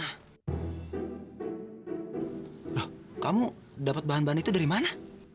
loh kamu dapat bahan bahan itu dari mana